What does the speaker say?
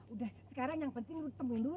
udah sekarang yang penting temuin dulu